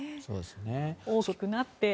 大きくなって。